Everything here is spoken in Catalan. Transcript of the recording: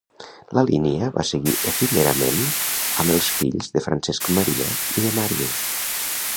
La línia va seguir efímerament amb els fills de Francesc Maria i de Màrius.